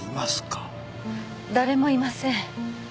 誰もいません。